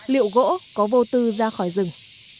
liệu gỗ có vô tư ra khỏi rừng